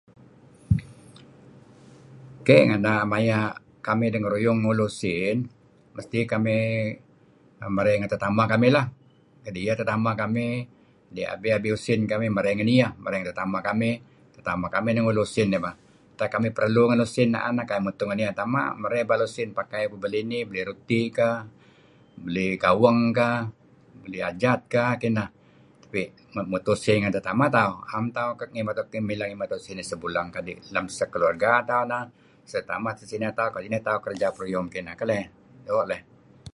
Key maya' kekamih dengeruyung ngulu usin, mesti kamih merey ngen tetameh kami lah, kadi' iyeh tetameh kamih, adi' abi-abi usin kamih merey ngen iyeh, ngen tetamah kamih. tetamah kamih neh ngulu sin dih bah. Utak kamin perlu ngan usin mutuh let ngen iyeh neh kamih, tama' merey usin pakai kuh belih ruti', belih gaweng kah, beli ajat kah kineh, tetapi mutuh usin ngen tetamah tauh, na'em men tauh mileh ngimet usin sebuleng kadi' lem sah keluarga tauh lah, seh tetameh tesineh tauh doo' tauh kerja peruyung kineh keleh. Doo' leh.